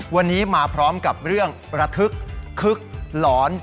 วันนี้มาพร้อมกับเรื่องระทึกคึกหลอน